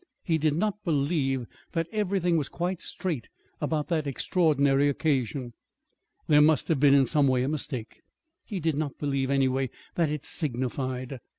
He did not believe that everything was quite straight about that extraordinary occasion. There must have been, in some way, a mistake. He did not believe, anyway, that it signified.